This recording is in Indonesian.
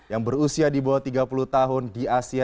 yang berusia di bawah tiga puluh tahun di asia